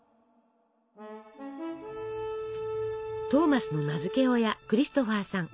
トーマスの名付け親クリストファーさん。